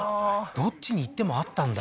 どっちに行ってもあったんだ？